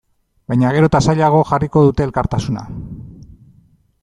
Baina gero eta zailago jarriko dute elkartasuna.